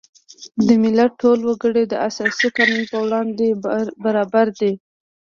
د ملت ټول وګړي د اساسي قانون په وړاندې برابر دي.